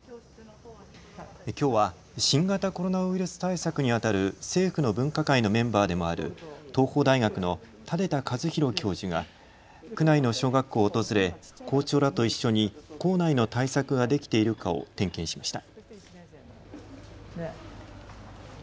きょうは新型コロナウイルス対策にあたる政府の分科会のメンバーでもある東邦大学の舘田一博教授が区内の小学校を訪れ、校長らと一緒に校内の対策ができているかを点検しました。